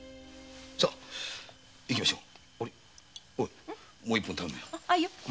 さいきましょう。